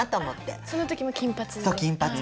その時も金髪で？